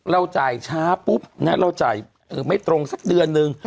เราจ่ายช้าปุ๊บนะเราจ่ายไม่ตรงสักเดือนนึง